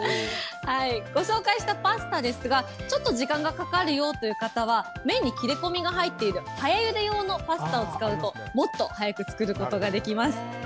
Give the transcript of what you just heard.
ご紹介したパスタですが、ちょっと時間がかかるよという方は、麺に切れ込みが入っている早ゆで用のパスタを使うと、もっと早く作ることができます。